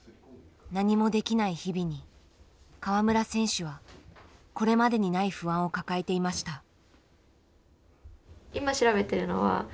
何もできない日々に川村選手はこれまでにない不安を抱えていました。